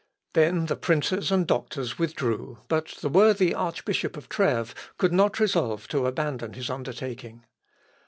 Then the princes and doctors withdrew, but the worthy Archbishop of Trêves could not resolve to abandon his undertaking.